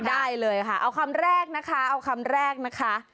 ได้เลยค่ะเอาคำแรกนะคะเอาคำแรกนะคะ